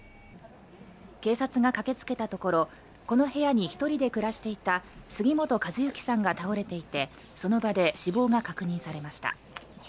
警察が駆けつけたところこの部屋に１人で暮らしていた杉本和幸さんが倒れていてその場で死亡が確認されました。